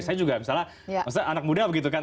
saya juga misalnya anak muda begitu kan